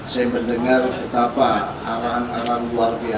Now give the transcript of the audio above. saya mendengar betapa arang arang luar biasa